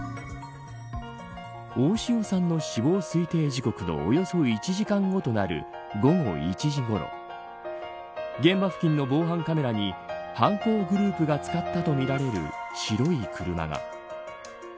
大塩さんの死亡推定時刻のおよそ１時間後となる午後１時ごろ現場付近の防犯カメラに犯行グループが使ったとみられる白い車が。